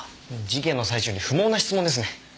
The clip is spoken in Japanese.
事件の最中に不毛な質問ですね。